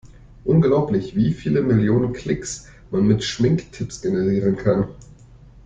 Unglaublich, wie viele Millionen Klicks man mit Schminktipps generieren kann!